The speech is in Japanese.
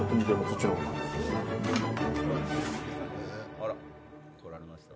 あら来られました？